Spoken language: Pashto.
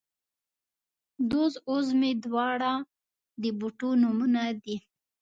دوز او زمۍ، دواړه د بوټو نومونه دي